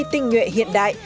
tinh nhuệ hiện đại